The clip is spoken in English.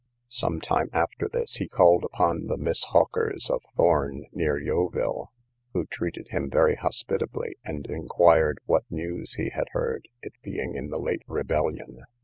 Some time after this, he called upon the Miss Hawkers, of Thorn, near Yeovil, who treated him very hospitably, and inquired what news he had heard, it being in the late rebellion.